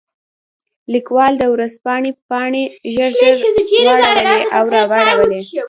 لیکوال د ورځپاڼې پاڼې ژر ژر واړولې او راواړولې.